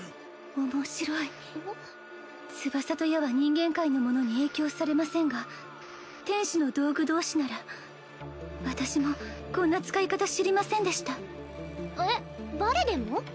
面白い翼と矢は人間界のものに影響されませんが天使の道具同士なら私もこんな使い方知りませんでしたえっバレでも？